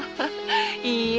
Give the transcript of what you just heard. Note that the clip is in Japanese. いいえ。